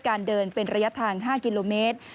การเดินเป็นระยะทาง๕กิโลเมตร